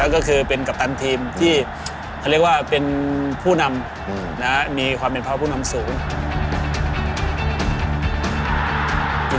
ก็คือเป็นกัปตันทีมที่เขาเรียกว่าเป็นผู้นำมีความเป็นพ่อผู้นำสูง